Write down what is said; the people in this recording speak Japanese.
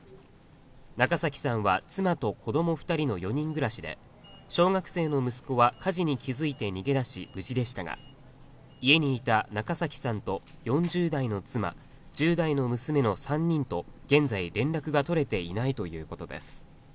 中崎さんは妻と子供２人の４人暮らしで、小学生の息子は火事に気づいて逃げ出し、無事でしたが家にいた中崎さんと４０代の妻、１０代の娘の３人と現在、連絡が取れていないということです。